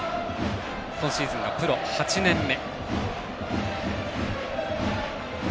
今シーズンがプロ８年目。